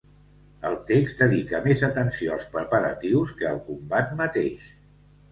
El text dedica més atenció als preparatius que al combat mateix.